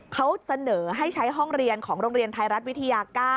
เขาเสนอให้ใช้ห้องเรียนของโรงเรียนไทยรัฐวิทยา๙